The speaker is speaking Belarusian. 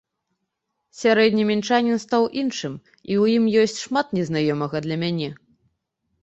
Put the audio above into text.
Сярэдні мінчанін стаў іншым, і ў ім ёсць шмат незнаёмага для мяне.